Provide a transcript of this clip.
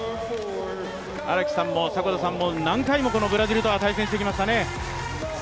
荒木さんも迫田さんも、何回もこのブラジルとは対戦してきましたね。